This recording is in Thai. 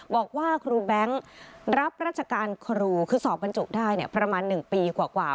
บอกว่าครูแบงค์รับราชการครูคือสอบบรรจุได้ประมาณ๑ปีกว่า